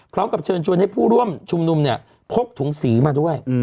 พร้อมกับเชิญชวนให้ผู้ร่วมชุมนุมเนี่ยพกถุงสีมาด้วย